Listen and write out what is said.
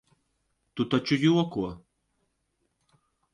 Tu taču joko?